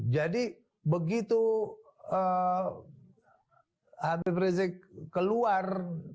jadi begitu habib rizieq keluar